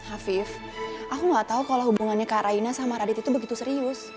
afif aku gak tau kalau hubungannya kak raina sama radit itu begitu serius